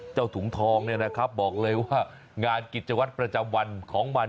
เจ้าถุงทองบอกเลยว่างานกิจวัตรประจำวันของมัน